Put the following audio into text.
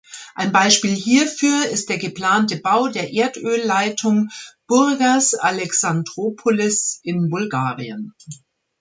Ein Beispiel hierfür ist der geplante Bau der Erdölleitung Burgas-Alexandroupolis in Bulgarien.